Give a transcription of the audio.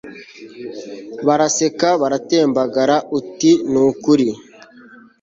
baraseka baratembagare uti nukuri